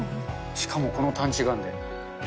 しかもこのパンチがあるんで。